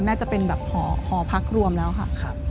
น่าจะเป็นแบบหอพักรวมแล้วค่ะ